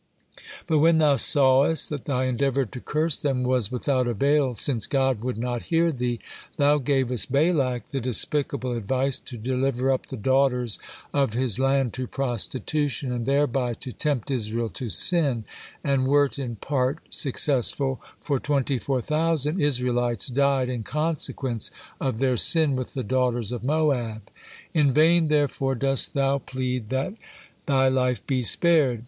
But when thou sawest that thy endeavor to curse them was without avail, since God would not hear thee, thou gavest Balak the despicable advice to deliver up the daughters of his land to prostitution, and thereby to tempt Israel to sin, and wert in part successful, for twenty four thousand Israelites died in consequence of their sin with the daughters of Moab. In vain therefore dost thou plead that thy life by spared."